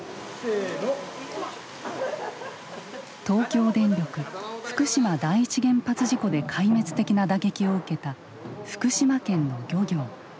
東京電力福島第一原発事故で壊滅的な打撃を受けた福島県の漁業。